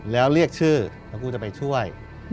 แล้วเรียกชื่อแล้วกูจะไปช่วย